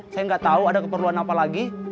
saya nggak tahu ada keperluan apa lagi